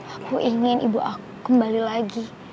aku ingin ibu aku kembali lagi